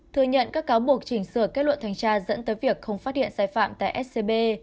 thừa nhận các cáo buộc chỉnh sửa kết luận thanh tra dẫn tới việc không phát hiện sai phạm tại scb